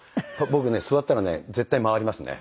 僕ね座ったらね絶対回りますね。